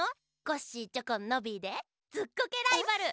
コッシーチョコンノビーで「ずっこけライバル」。